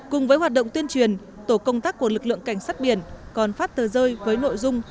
cùng với hoạt động tuyên truyền tổ công tác của lực lượng cảnh sát biển còn phát tờ rơi với nội dung